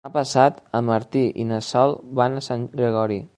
Demà passat en Martí i na Sol van a Sant Gregori.